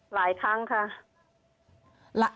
หลายครั้งค่ะ